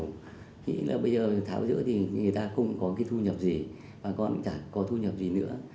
thì là bây giờ tháo rỡ thì người ta không có cái thu nhập gì bà con chẳng có thu nhập gì nữa